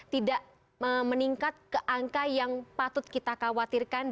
tidak meningkat ke angka yang patut kita khawatirkan